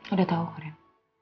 udah tau keren